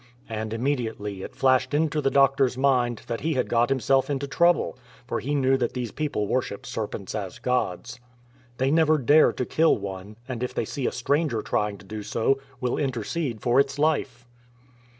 And immediately it flashed into the doctor's mind that he had got himself into trouble, for he knew that these people worship serpents as gods. They never dare to kill one, and if they see a stranger trying to do so, will inter cede for its life.